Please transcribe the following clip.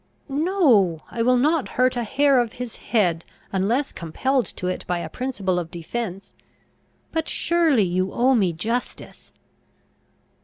"No; I will not hurt a hair of his head, unless compelled to it by a principle of defence. But surely you owe me justice?"